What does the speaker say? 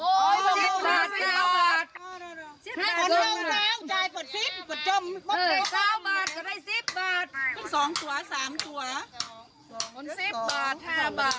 อื้อเด็กซิบบาทก็ได้สิบบาทสองตัวสามตัวสองจิบบาทแค่บาท